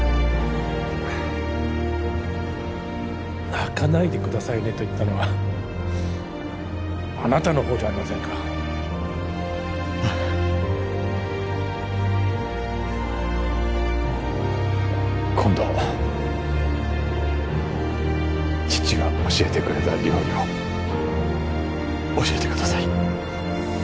「泣かないでくださいね」と言ったのはあなたのほうじゃありませんかあっ今度父が教えてくれた料理を教えてください